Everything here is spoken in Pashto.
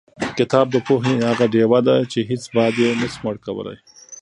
کتاب د پوهې هغه ډیوه ده چې هېڅ باد یې نشي مړ کولی.